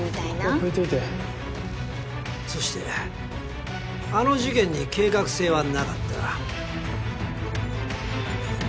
ここ拭いといてそしてあの事件に計画性はなかった。